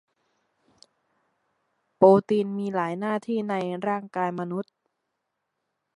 โปรตีนมีหลายหน้าที่ในร่ายกายมนุษย์